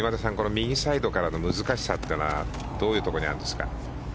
右サイドからの難しさというのはどういうところにあるんですか？